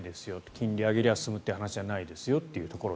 金利を上げれば済む話じゃないですよと。